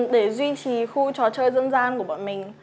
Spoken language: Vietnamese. để duy trì khu trò chơi dân gian của bọn mình